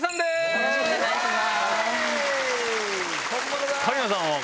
よろしくお願いします。